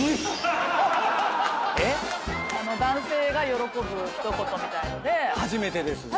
男性が喜ぶ一言みたいので